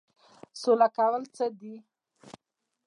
سوله کول څه دي؟